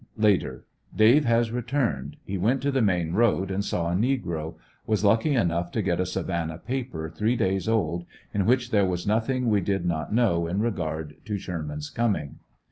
Later. — Dave has returned. He went to the main road and saw a negro. Was lucky enough to get a Savannah paper three days old in which there was nothing we did not know in regard to Sherman's coming.